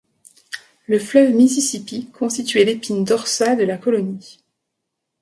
Le fleuve Mississippi constituait l'épine dorsale de la colonie.